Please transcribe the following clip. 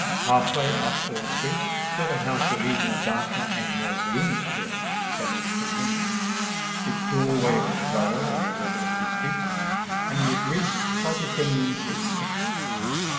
Half way up Earl Street stood a house of even a darker and more gloomy appearance than its companions. Its door way was lower than the level of the street, and was reached by descending three steps.